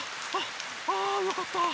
あよかった。